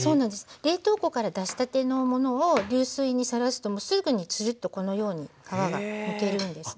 冷凍庫から出したてのものを流水にさらすともうすぐにツルッとこのように皮がむけるんですね。